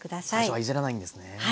最初はいじらないんですね。